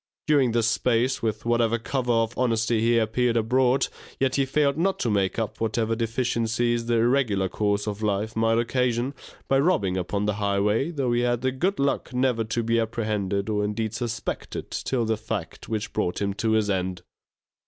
During this space, with whatever cover of honesty he appeared abroad, yet he failed not to make up whatever deficiencies the irregular course of life might occasion, by robbing upon the highway, though he had the good luck never to be apprehended, or indeed suspected till the fact which brought him to his end.